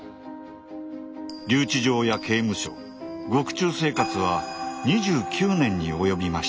留置場や刑務所獄中生活は２９年に及びました。